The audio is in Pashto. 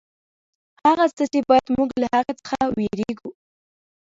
هغه څه چې باید موږ له هغه څخه وېرېږو.